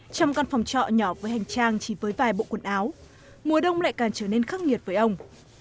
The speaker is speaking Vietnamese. trong căn phòng trọ nhỏ với hành trang chỉ với vài bộ quần áo mùa đông lại càng trở nên khắc nghiệt với ông